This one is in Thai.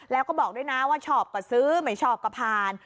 แล้วก็บอกด้วยนะว่าชอบก็ซื้อไม่ชอบก็ผ่าน